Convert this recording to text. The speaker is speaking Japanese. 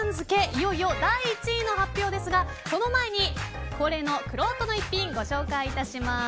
いよいよ第１位の発表ですがその前に、恒例のくろうとの逸品ご紹介いたします。